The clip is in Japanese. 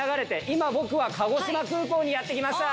今僕は鹿児島空港にやって来ました。